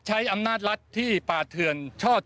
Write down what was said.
หนึ่งในข้อเรียกร้องที่เราจะเดินหน้าด้วย